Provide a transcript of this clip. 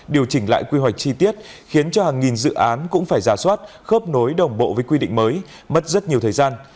nhìn lại quy hoạch chi tiết khiến cho hàng nghìn dự án cũng phải ra soát khớp nối đồng bộ với quy định mới mất rất nhiều thời gian